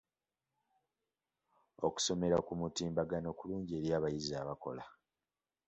Okusomera ku mutimbagano kulungi eri abayizi abakola.